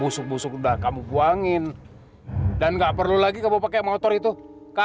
sampai jumpa di video selanjutnya